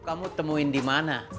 kamu temuin dimana